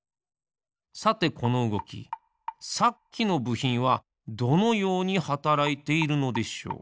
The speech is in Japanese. さてこのうごきさっきのぶひんはどのようにはたらいているのでしょう？